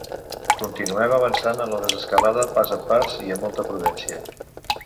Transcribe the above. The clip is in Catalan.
Continuem avançant en la desescalada, pas a pas i amb molta prudència.